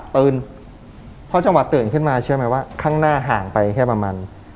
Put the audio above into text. ตื่นเพราะจังหวะตื่นขึ้นมาเชื่อไหมว่าข้างหน้าห่างไปแค่ประมาณ